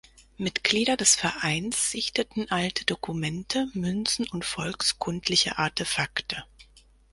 Mitglieder des Vereins sichteten alte Dokumente, Münzen und volkskundliche Artefakte.